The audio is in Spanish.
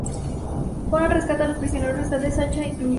Conan rescata a los prisioneros restantes, Sancha incluida.